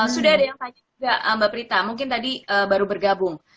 sudah ada yang tanya juga mbak prita mungkin tadi baru bergabung